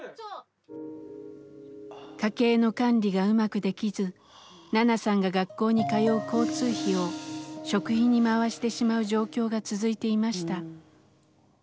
家計の管理がうまくできずナナさんが学校に通う交通費を食費に回してしまう状況が続いていました。